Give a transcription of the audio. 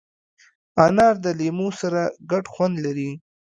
انار د لیمو سره ګډ خوند لري.